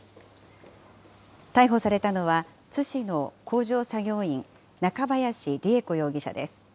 逮捕されたのは、津市の工場作業員、中林りゑ子容疑者です。